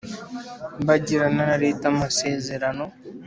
bagirana na leta amasezerano